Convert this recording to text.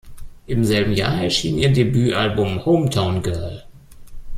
Im selben Jahr erschien ihr Debüt-Album, "Hometown Girl".